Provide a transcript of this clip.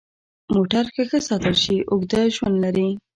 موټر که ښه ساتل شي، اوږد ژوند لري.